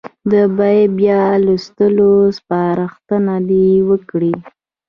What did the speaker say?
د بیا بیا لوستلو سپارښتنه دې وکړي.